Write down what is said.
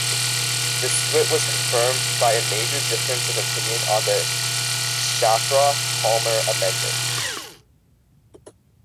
The split was confirmed by a major difference of opinion on the Shafroth-Palmer Amendment.